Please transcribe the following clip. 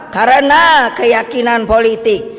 karena keyakinan politik